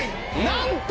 なんと？